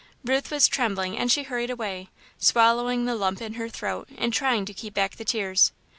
Ruth was trembling and she hurried away, swallowing the lump in her throat and trying to keep back the tears.